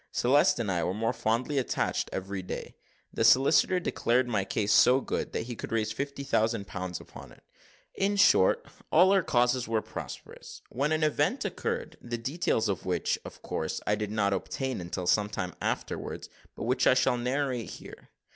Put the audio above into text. Celeste and I were more fondly attached every day. The solicitor declared my case so good, that he could raise fifty thousand pounds upon it. In short, all our causes were prosperous, when an event occurred, the details of which, of course, I did not obtain until some time afterwards, but which I shall narrate here.